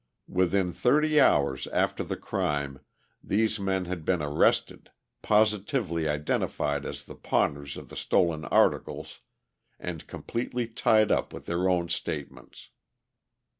Within thirty hours after the crime these men had been arrested, positively identified as the pawners of the stolen articles, and completely tied up in their own statements.